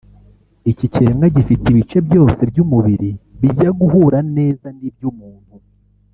Iki kiremwa gifite ibice byose by’umubiri bijya guhura neza neza n’iby’umuntu